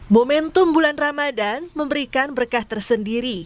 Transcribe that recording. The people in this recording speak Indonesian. momentum bulan ramadan memberikan berkah tersendiri